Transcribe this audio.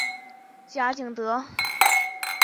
贾景德。